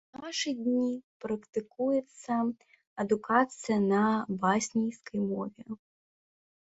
У нашы дні практыкуецца адукацыя на баснійскай мове.